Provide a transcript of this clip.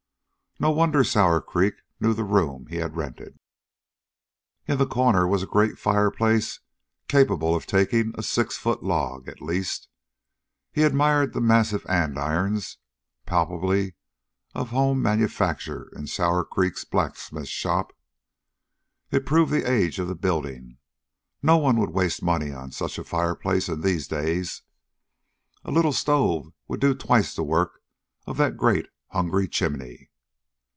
No wonder Sour Creek knew the room he had rented. In the corner was a great fireplace capable of taking a six foot log, at least. He admired the massive andirons, palpably of home manufacture in Sour Creek's blacksmith shop. It proved the age of the building. No one would waste money on such a fireplace in these days. A little stove would do twice the work of that great, hungry chimney.